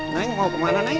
neng mau kemana neng